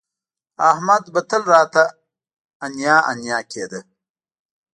احمد به تل راته انیا انیا کېده